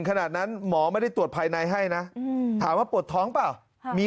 ขนาดนั้นหมอไม่ได้ตรวจภายในให้นะถามว่าปวดท้องเปล่ามี